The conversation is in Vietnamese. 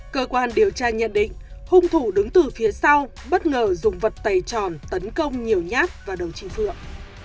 cơ quan điều tra nhận định hung thủ đứng từ phía sau bất ngờ dùng vật tẩy tròn tấn công nhiều nhát vào đầu chị phượng